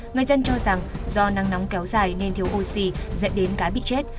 người dân cho rằng do nắng nóng kéo dài nên thiếu oxy dẫn đến cá bị chết